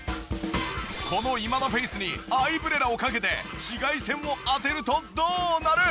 この今田フェースにアイブレラをかけて紫外線を当てるとどうなる？